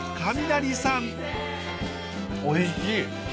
おいしい。